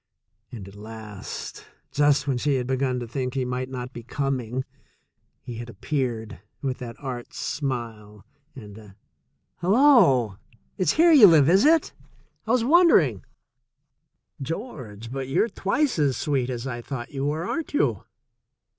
And at last, just when she had begun to think he might not be coming, he had appeared with that arch smile and a "Hello! It's here you live, is it? I was wondering. George, but you're twice as sweet as I thought you were, aren't you